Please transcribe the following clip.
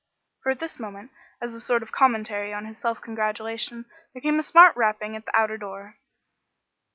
For at this moment, as a sort of commentary on his self congratulation, there came a smart rapping at the outer door.